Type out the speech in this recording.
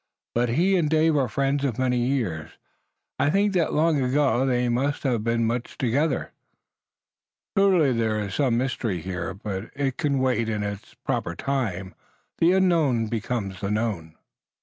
But he and Dave are friends of many years. I think that long ago they must have been much together." "Truly there is some mystery here, but it can wait. In its proper time the unknown becomes the known."